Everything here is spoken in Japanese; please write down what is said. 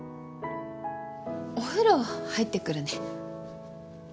お風呂入ってくるね。